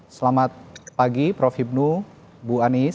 selamat pagi prof hipnu bu anies